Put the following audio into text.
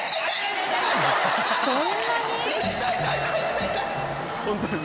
そんなに？